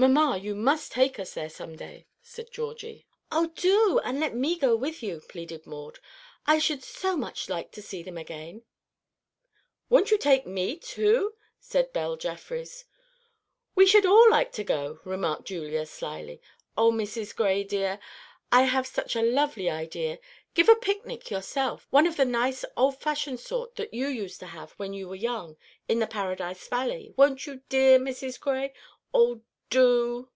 "Mamma, you must take us there some day," said Georgie. "Oh, do, and let me go with you," pleaded Maud. "I should like so much to see them again." "Won't you take me too?" said Belle Jeffrys. "We should all like to go," remarked Julia, slyly. "Oh, Mrs. Gray, dear, I have such a lovely idea! Give us a picnic yourself, one of the nice old fashioned sort that you used to have when you were young, in the Paradise Valley; won't you, dear Mrs. Gray? Oh, do!"